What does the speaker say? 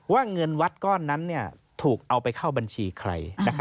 เงินวัดก้อนนั้นถูกเอาไปเข้าบัญชีใคร